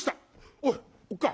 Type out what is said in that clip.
おいおっかあ